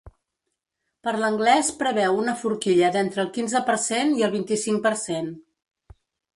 Per l’anglès preveu una forquilla d’entre el quinze per cent i el vint-i-cinc per cent.